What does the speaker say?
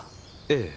ええ。